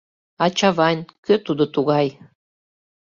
— А Чавайн — кӧ тудо тугай?